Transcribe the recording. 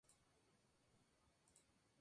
Fue maestra de Octavio Paz.